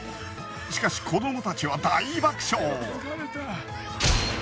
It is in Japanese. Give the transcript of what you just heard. しかし子どもたちは大爆笑！